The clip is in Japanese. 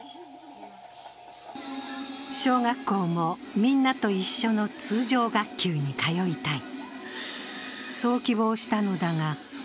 小学校もみんなと一緒の通常学級に通いたい。